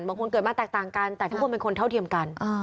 เกิดมาแตกต่างกันแต่ทุกคนเป็นคนเท่าเทียมกัน